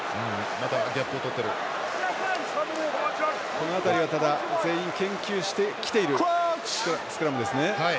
この辺りは、全員研究してきているスクラムですね。